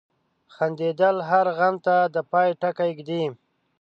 • خندېدل هر غم ته د پای ټکی ږدي.